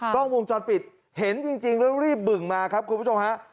กล้องวงจรปิดเห็นจริงแล้วรีบบึ่งมาครับคุณผู้ชมฮะ